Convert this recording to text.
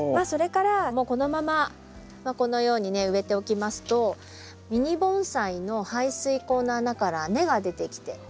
それからこのままこのようにね植えておきますとミニ盆栽の排水口の穴から根が出てきて。